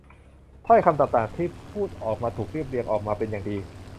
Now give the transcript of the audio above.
ถ้อยคำต่าง ๆ ที่พูดออกมาถูกเรียบเรียงออกมาเป็นอย่างดี